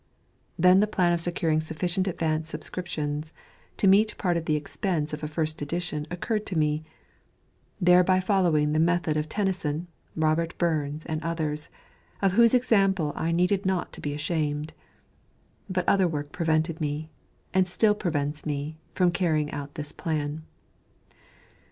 Then the plan of securing sufficient advance subscriptions to meet part of the expense of a first edition occurred to me, thereby following the method of Tennyson, Robert Burns and others, of whose example I needed not to be ashamed, but other work prevented me, and still prevents me, from carrying out this plan.